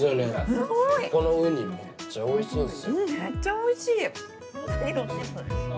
このうに、めっちゃおいしいんです。